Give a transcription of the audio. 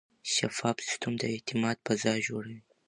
شفاف سیستم د اعتماد فضا جوړوي.